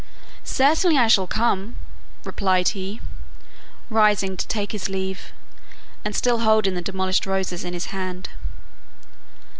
"Certainly I shall come," replied he, rising to take his leave, and still holding the demolished roses in his hand.